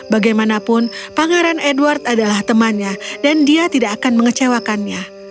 bagaimanapun pangeran edward adalah temannya dan dia tidak akan mengecewakannya